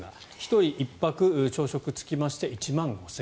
１人１泊朝食つきまして１万５０００円。